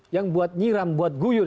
yang buat nyiram buat guyur